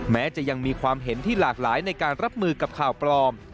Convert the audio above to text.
แม้จะยังมีความเห็นที่หลากหลายในการรับมือกับข่าวปลอม